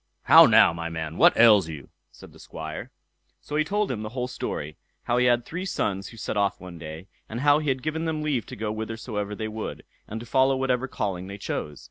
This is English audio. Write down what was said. "How now, my man! what ails you?" said the Squire. So he told him the whole story; how he had three sons who set off one day, and how he had given them leave to go whithersoever they would, and to follow whatever calling they chose.